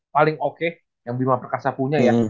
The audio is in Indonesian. paling oke yang bima perkasa punya ya